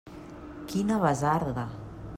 Quina basarda!